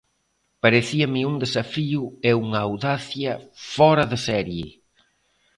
Parecíame un desafío e unha audacia fóra de serie.